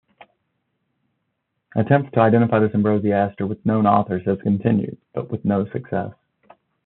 Attempts to identify this Ambrosiaster with known authors has continued, but with no success.